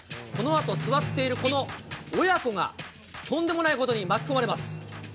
このあと座っている、この母娘がとんでもないことに巻き込まれます。